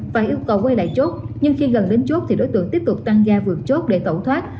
và yêu cầu quay lại chốt nhưng khi gần đến chốt thì đối tượng tiếp tục tăng ga vượt chốt để tẩu thoát